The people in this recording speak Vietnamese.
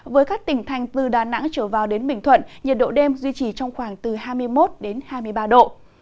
với các tỉnh thành từ đà nẵng trở vào đến bình thuận nhiệt độ đêm duy trì trong khoảng từ hai mươi một hai mươi ba độ